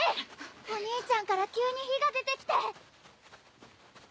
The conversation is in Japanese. お兄ちゃんから急に火が出てきて！